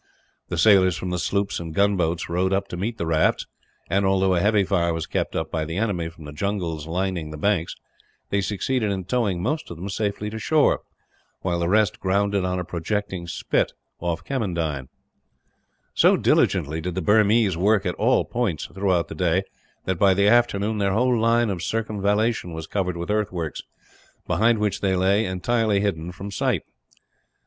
The sailors from the sloops and gunboats rowed up to meet the rafts and, although a heavy fire was kept up by the enemy, from the jungles lining the banks, they succeeded in towing most of them safely to shore; while the rest grounded on a projecting spit, off Kemmendine. So diligently did the Burmese work at all points throughout the day that, by the afternoon, their whole line of circumvallation was covered with earthworks; behind which they lay, entirely hidden from sight.